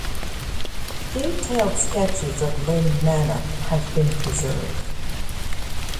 Detailed sketches of Linde Manor have been preserved.